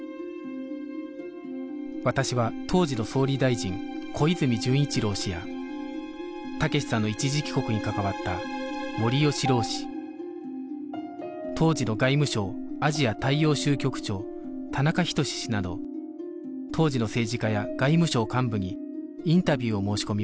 私は当時の総理大臣小泉純一郎氏や武志さんの一時帰国に関わった森喜朗氏当時の外務省アジア大洋州局長田中均氏など当時の政治家や外務省幹部にインタビューを申し込みました